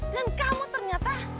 dan kamu ternyata